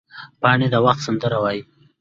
پاڼې د وخت سندره وایي